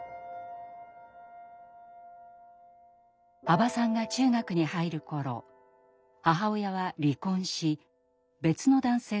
羽馬さんが中学に入る頃母親は離婚し別の男性と再婚しました。